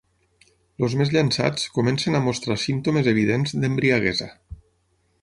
Els més llançats comencen a mostrar símptomes evidents d'embriaguesa.